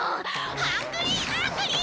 ハングリーアングリー！